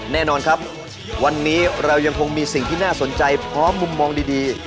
แน่นอนครับวันนี้เรายังคงมีสิ่งที่น่าสนใจพร้อมมุมมองดี